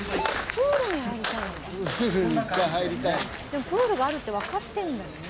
でもプールがあるってわかってるんだね。